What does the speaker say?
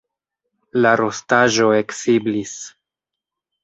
La rostaĵo eksiblis.